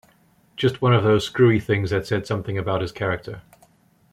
Just one of those screwy things that said something about his character.